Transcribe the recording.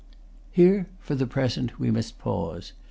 Here, for the present, we must pause.